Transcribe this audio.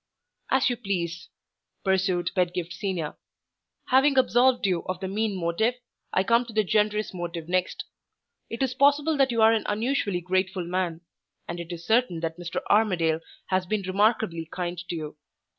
"As you please," pursued Pedgift Senior. "Having absolved you of the mean motive, I come to the generous motive next. It is possible that you are an unusually grateful man; and it is certain that Mr. Armadale has been remarkably kind to you.